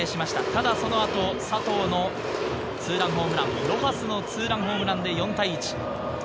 ただそのあと佐藤のツーランホームラン、ロハスのツーランホームランで４対１。